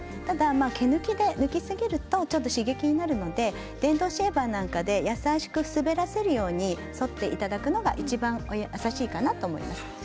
切らないで抜きすぎると刺激になるので電動シェーバーで優しく滑らせるようにそっていただくのがいちばん優しいかなと思います。